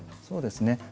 そうですね。